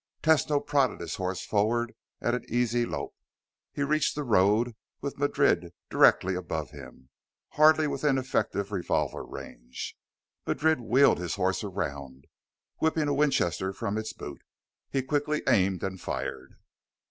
Tesno prodded his horse forward at an easy lope. He reached the road with Madrid directly above him, hardly within effective revolver range. Madrid wheeled his horse around, whipping a Winchester from its boot. He quickly aimed and fired.